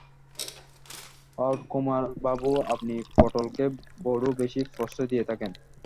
হরকুমারবাবু, আপনি পটলকে বড়ো বেশি প্রশ্রয় দিয়া থাকেন।